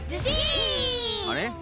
あれ？